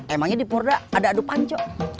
emangnya di porda ada adupan cok